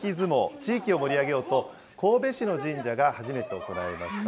地域を盛り上げようと、神戸市の神社が初めて行いました。